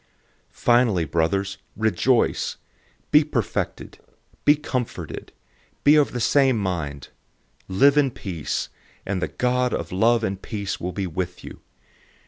013:011 Finally, brothers, rejoice. Be perfected, be comforted, be of the same mind, live in peace, and the God of love and peace will be with you.